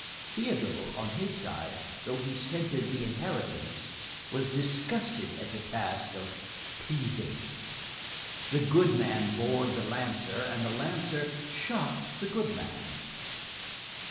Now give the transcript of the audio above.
Théodule, on his side, though he scented the inheritance, was disgusted at the task of pleasing. The goodman bored the lancer; and the lancer shocked the goodman.